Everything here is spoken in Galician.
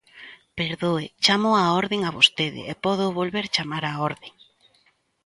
Perdoe, chámoo á orde a vostede e pódoo volver chamar á orde.